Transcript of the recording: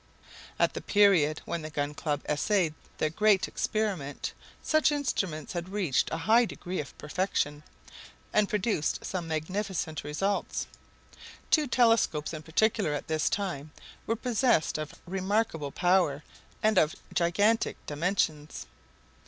At the period when the Gun Club essayed their great experiment, such instruments had reached a high degree of perfection, and produced some magnificent results. Two telescopes in particular, at this time, were possessed of remarkable power and of gigantic dimensions.